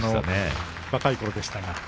若いころでしたが。